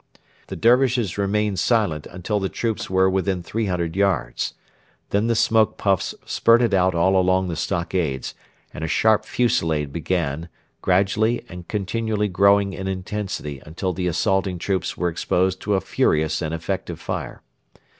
The Dervishes remained silent until the troops were within 300 yards. Then the smoke puffs spurted out all along the stockades, and a sharp fusillade began, gradually and continually growing in intensity until the assaulting troops were exposed to a furious and effective fire.